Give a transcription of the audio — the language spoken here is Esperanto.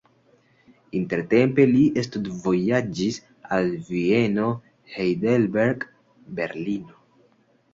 Intertempe li studvojaĝis al Vieno, Heidelberg, Berlino.